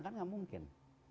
kan gak mungkin